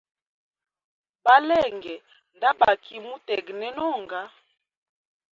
Balenge ndabaki mutegnena onga.